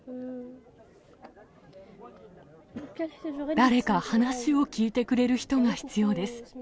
誰か話を聞いてくれる人が必要です。